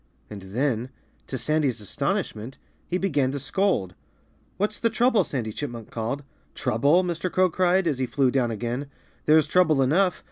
And then to Sandy's astonishment he began to scold. "What's the trouble?" Sandy Chipmunk called. "Trouble?" Mr. Crow cried, as he flew down again. "There's trouble enough.